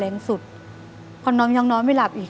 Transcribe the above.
อเรนนี่คือเหตุการณ์เริ่มต้นหลอนช่วงแรกแล้วมีอะไรอีก